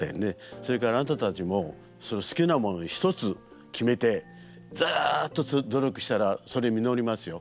それからあなたたちも好きなもの一つ決めてずっと努力したらそれ実りますよ。